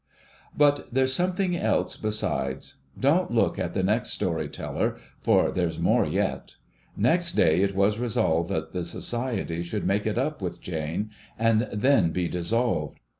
But there's something else besides. Don't look at the next story teller, for there's more yet. Next day, it was resolved that the Society should make it up with Jane, and then be dissolved.